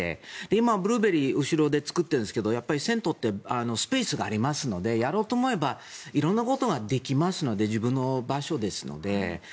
今、ブルーベリー後ろで作っているんで銭湯ってスペースがありますからやろうと思えば色んなことができますので自分の場所ですので。